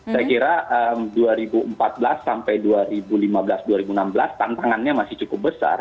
saya kira dua ribu empat belas sampai dua ribu lima belas dua ribu enam belas tantangannya masih cukup besar